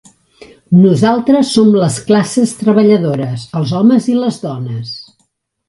Nosaltres som les classes treballadores, els homes i les dones.